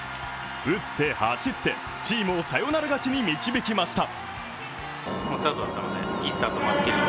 打って、走って、チームをサヨナラ勝ちに導きました。